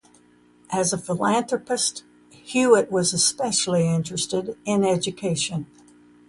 As a philanthropist, Hewitt was especially interested in education.